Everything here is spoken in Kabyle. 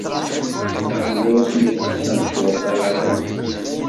Yella wasmi ay tesnecweḍ tayaziḍt?